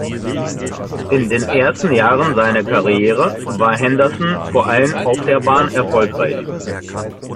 In den ersten Jahren seiner Karriere war Henderson vor allem auf der Bahn erfolgreich.